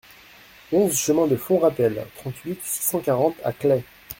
onze chemin de Fond Ratel, trente-huit, six cent quarante à Claix